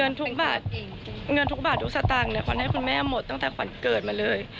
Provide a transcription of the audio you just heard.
เงินทุกบาทควรให้คุณแม่หมดตั้งแต่ขวัญเกิดมาเลย